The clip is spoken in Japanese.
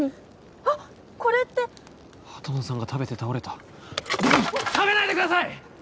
あっこれって畑野さんが食べて倒れた食べないでください！